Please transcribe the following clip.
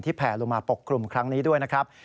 แผลลงมาปกคลุมครั้งนี้ด้วยนะครับ